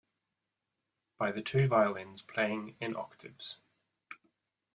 By the two violins playing in octaves.